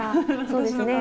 そうですね。